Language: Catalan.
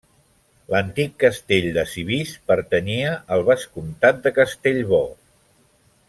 L'antic castell de Civís pertanyia al vescomtat de Castellbò.